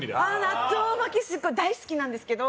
納豆巻きすごい大好きなんですけど